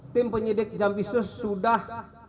tim penyidik jampistus sudah